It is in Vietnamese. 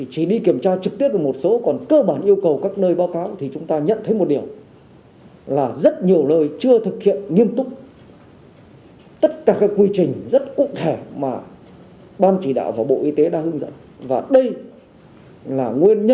các ý kiến cho rằng một số cơ sở cách ly tập trung theo dõi giám sát y tế tại nhà